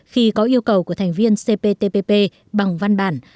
khi có yêu cầu của thành viên cptpp bằng văn bản